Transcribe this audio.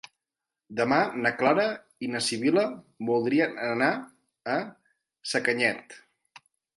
Demà na Clara i na Sibil·la voldrien anar a Sacanyet.